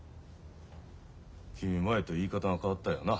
君前と言い方が変わったよな。